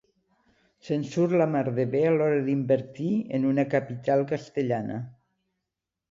Se'n surt la mar de bé a l'hora d'invertir en una capital castellana.